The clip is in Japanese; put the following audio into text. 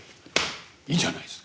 いいじゃないですか。